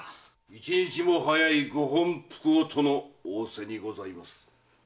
一日も早いご本復をとの仰せにございます。